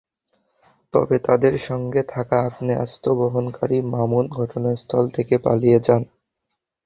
তবে তাঁদের সঙ্গে থাকা আগ্নেয়াস্ত্র বহনকারী মামুন ঘটনাস্থল থেকে পালিয়ে যান।